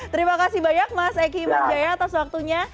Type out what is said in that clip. terima kasih banyak mas eky iman jaya atas waktunya